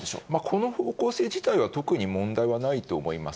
この方向性自体は特に問題はないと思います。